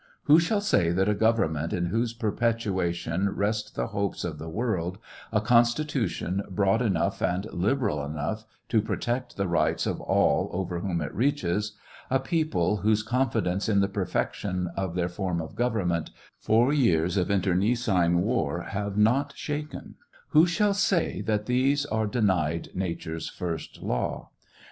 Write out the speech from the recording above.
Who shall say that a government in whose perpetuation rest the hopes of the world, a Constitution broad enough and liberal enough to protect the rights of all over whom it reaches — a people whose confidence in the perfection of their form of government, four years of internecine war have not shaken — who shall say that these are denied nature's first law